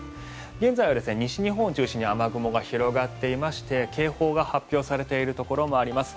現在は西日本中心に雨雲が広がっていまして警報が発表されているところもあります。